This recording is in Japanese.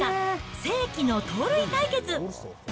世紀の盗塁対決。